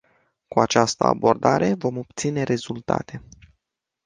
Cu această abordare, vom obține rezultate.